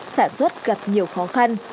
sản xuất gặp nhiều khó khăn